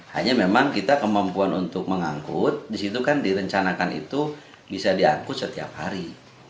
hanya memang kita kemampuan untuk mengangkut disitu kan direncanakan itu bisa diangkut setiap hari